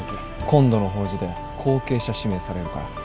今度の法事で後継者指名されるから。